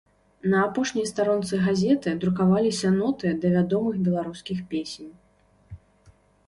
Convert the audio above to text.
На апошняй старонцы газеты друкаваліся ноты да вядомых беларускіх песень.